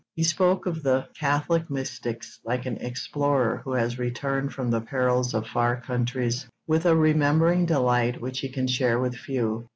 He spoke of the Catholic mystics like an explorer who has returned from the perils of far countries, with a remembering delight which he can share with few.